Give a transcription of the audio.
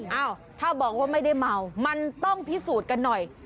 เอ้าถ้าบอกว่าไม่ได้เมามันต้องพิสูจน์กันหน่อย